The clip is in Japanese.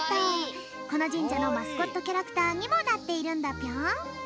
このじんじゃのマスコットキャラクターにもなっているんだぴょん。